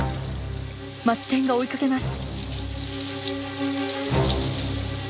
マツテンが追いかけます！